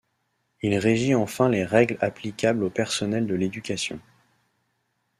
Il régit enfin les règles applicables aux personnels de l'éducation.